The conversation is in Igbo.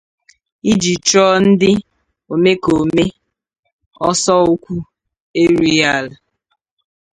iji chụọ ndị omekome ọsọ ụkwụ erughị ala.